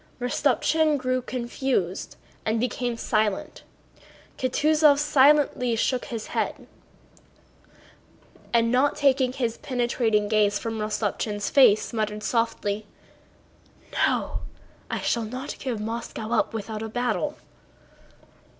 Rostopchín grew confused and became silent. Kutúzov slightly shook his head and not taking his penetrating gaze from Rostopchín's face muttered softly: "No! I shall not give up Moscow without a battle!"